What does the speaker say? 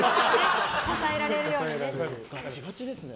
支えられるようにね。